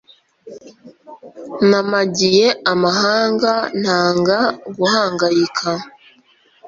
Namagiye amahanga Ntanga guhangayika